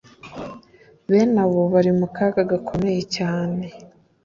bene abo bari mu kaga gakomeye cyane